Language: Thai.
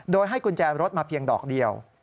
โดยให้กุญแจรถมาเพียงดอกเดียว